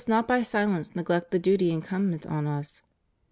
217 not by silence neglect the duty incumbent on Us.